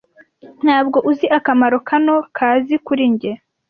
Ntabwo uzi akamaro kano kazi kuri njye.